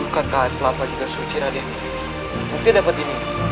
bukankah air kelapa juga suci raden berarti dapat ini